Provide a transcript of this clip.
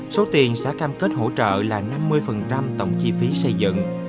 số tiền xã cam kết hỗ trợ là năm mươi tổng chi phí xây dựng